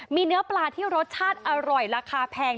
มีเนื้อปลาที่รสชาติอร่อยราคาแพง